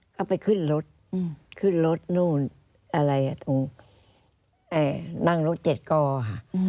ก็ไปขึ้นรถขึ้นรถนู่นอะไรนั่งรถเจ็ดก่อค่ะ